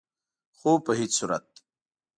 خو په هيڅ صورت